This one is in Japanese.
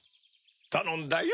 たのんだよ。